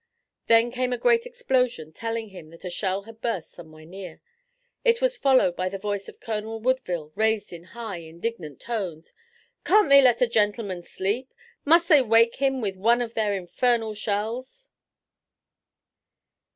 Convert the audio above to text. Then came a great explosion telling him that a shell had burst somewhere near. It was followed by the voice of Colonel Woodville raised in high, indignant tones: "Can't they let a gentleman sleep? Must they wake him with one of their infernal shells?"